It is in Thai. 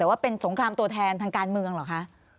แต่ว่าเป็นสงครามตัวแทนทางการเมืองเหรอคะ